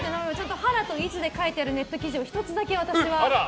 ハラとイチで書いてあるネット記事を１つだけ私は。